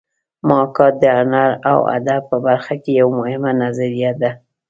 محاکات د هنر او ادب په برخه کې یوه مهمه نظریه ده